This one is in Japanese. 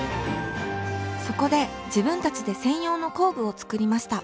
そこで自分たちで専用の工具を作りました。